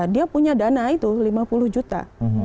dia punya dana itu lima puluh juta